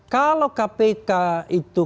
kalau kpk itu